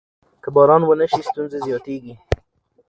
که باران ونه شي ستونزې زیاتېږي.